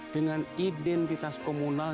dengan identitas komunal